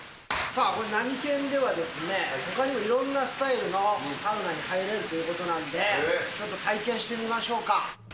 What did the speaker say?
さあ、ここ、なにけんではですね、ほかにもいろんなスタイルのサウナに入れるということなんで、ちょっと体験してみましょうか。